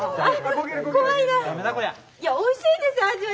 いやおいしいんですよ味は。